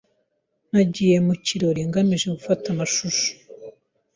Nagiye mu kirori ngamije gufata amashusho.